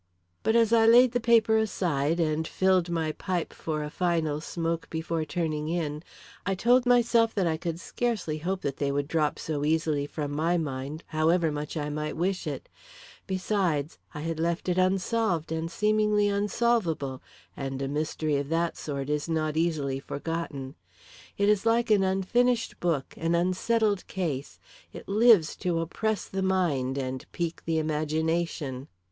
But as I laid the paper aside, and filled my pipe for a final smoke before turning in, I told myself that I could scarcely hope that they would drop so easily from my mind, however much I might wish it; besides, I had left it unsolved and seemingly unsolvable, and a mystery of that sort is not easily forgotten. It is like an unfinished book, an unsettled case it lives to oppress the mind and pique the imagination.